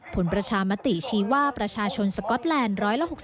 ผลประชามติชี้ว่าประชาชนสก๊อตแลนด์๑๖๐